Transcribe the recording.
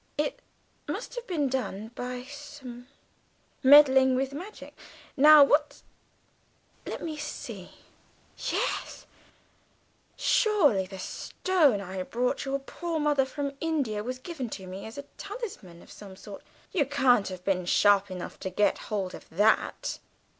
"It must have been done by some meddling with magic. Now what Let me see yes Surely the Stone I brought your poor mother from India was given to me as a talisman of some sort? You can't have been sharp enough to get hold of that!"